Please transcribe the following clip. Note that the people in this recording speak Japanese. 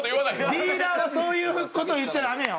ディーラーはそういう事を言っちゃダメよ。